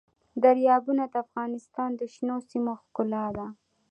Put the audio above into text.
دریابونه د افغانستان د شنو سیمو ښکلا ده.